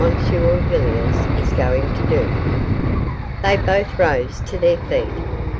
Villiers is going to do.' They both rose to their feet.